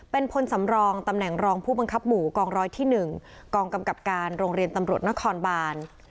เป็นพลสำรองตำแหน่งรองผู้บังคับหมู่กองร้อยที่๑กองกำกับการโรงเรียนตำรวจนครบาน